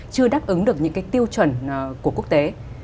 chưa đáp ứng được những cái tiêu chuẩn của quốc tế